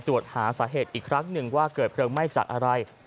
ตรวจหาสาเหตุอีกครั้งหนึ่งว่าเกิดเพลิงไหม้จากอะไร